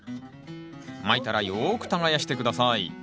まいたらよく耕して下さい。